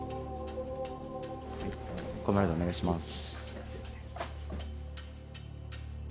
ここまででお願いします。